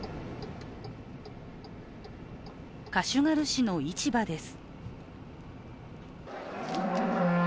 カシュガル市の市場です。